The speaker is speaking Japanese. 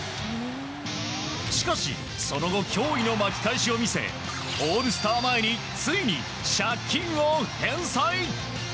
しかし、その後驚異の巻き返しを見せオールスター前についに借金を返済。